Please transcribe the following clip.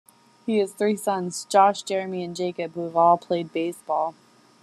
He has three sons, Josh, Jeremy and Jacob who have all played baseball.